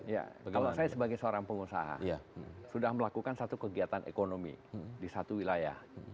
ya kalau saya sebagai seorang pengusaha sudah melakukan satu kegiatan ekonomi di satu wilayah